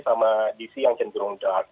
sama dc yang cenderung das